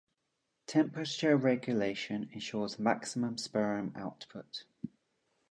Temperature regulation ensures maximum sperm output.